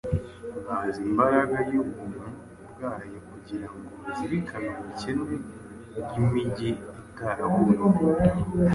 bazi imbaraga y’ubuntu bwayo kugira ngo bazirikane ubukene bw’imijyi itaraburiwe.